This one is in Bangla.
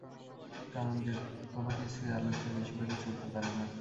কারণ কোন কিছুই আলোর চেয়ে বেশি বেগে চলতে পারে না।